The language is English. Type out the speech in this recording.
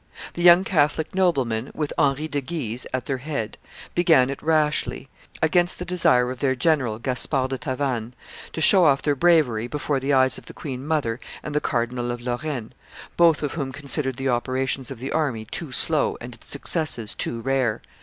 The young Catholic noblemen, with Henry de Guise at their head, began it rashly, against the desire of their general, Gaspard de Tavannes, to show off their bravery before the eyes of the queen mother and the Cardinal of Lorraine, both of whom considered the operations of the army too slow and its successes too rare.